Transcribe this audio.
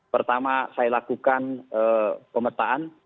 pertama saya lakukan pemetaan